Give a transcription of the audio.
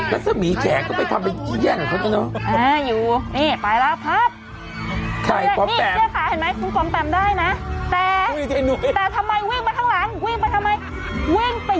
ได้น่ะแต่แต่ทำไมวิ่งไปทางหลังวิ่งไปทำไม